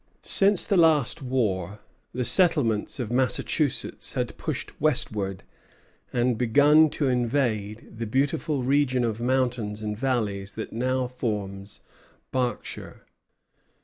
Since the last war, the settlements of Massachusetts had pushed westward and begun to invade the beautiful region of mountains and valleys that now forms Berkshire.